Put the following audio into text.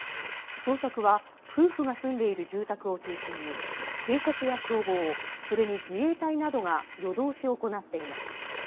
捜索は夫婦が住んでいる住宅を中心に警察や消防、それに自衛隊などが夜通し行っています。